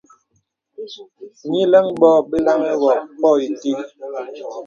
Nīləŋ bǒ bə laŋhi gô pô itə.